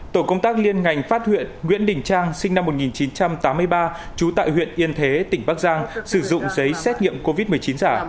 tổ công tác liên ngành phát huyện nguyễn đình trang sinh năm một nghìn chín trăm tám mươi ba trú tại huyện yên thế tỉnh bắc giang sử dụng giấy xét nghiệm covid một mươi chín giả